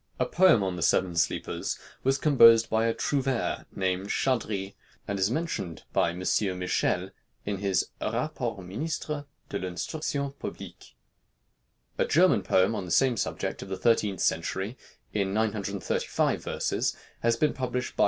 A poem on the Seven Sleepers was composed by a trouvère named Chardri, and is mentioned by M. Fr. Michel in his "Rapports Ministre de l'Instruction Public;" a German poem on the same subject, of the thirteenth century, in 935 verses, has been published by M.